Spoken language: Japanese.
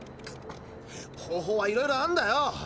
方法はいろいろあるんだよ。